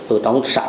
ở trong sát